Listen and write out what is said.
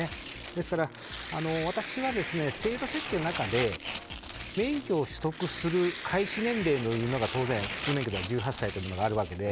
ですから私は制度設計の中で免許を取得する開始年齢が当然、普通免許では１８歳というのがあるわけで。